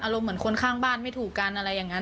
เหมือนคนข้างบ้านไม่ถูกกันอะไรอย่างนั้น